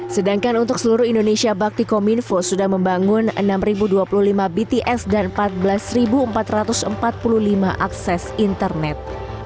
sedangkan untuk seluruh indonesia bakti kominfo sudah membangun enam dua puluh lima bts dan empat belas empat ratus empat puluh lima akses internet